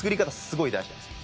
すごい大事なんです。